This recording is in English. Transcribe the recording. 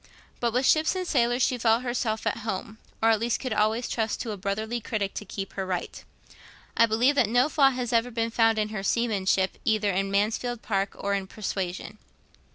But with ships and sailors she felt herself at home, or at least could always trust to a brotherly critic to keep her right. I believe that no flaw has ever been found in her seamanship either in 'Mansfield Park' or in 'Persuasion.'